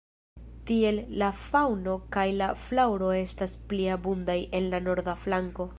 Tiel la faŭno kaj la flaŭro estas pli abundaj en la norda flanko.